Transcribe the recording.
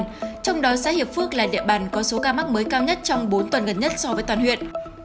trong đó xã hiệp phước là địa bàn có số ca mắc mới cao nhất trong bốn tuần gần nhất so với toàn huyện